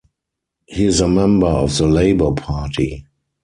He is a member of the Labour Party.